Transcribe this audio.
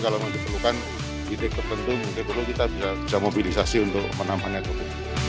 kalau mau diperlukan di titik tertentu mungkin perlu kita bisa mobilisasi untuk penampangnya itu